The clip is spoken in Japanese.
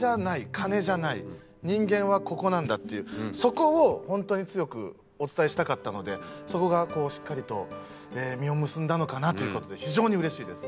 人間はここなんだっていうそこを本当に強くお伝えしたかったのでそこがこうしっかりと実を結んだのかなという事で非常にうれしいです。